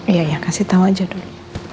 iya iya kasih tau aja dulu